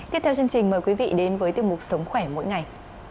tiếp theo chương trình mời quý vị đến với tiêu mục sống khỏe mỗi ngày